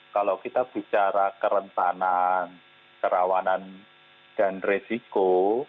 kalau kita bicara kerentanan kerawanan dan resiko